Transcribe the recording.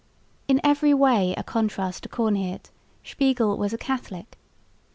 In every way a contrast to Coornheert, Spiegel was a Catholic.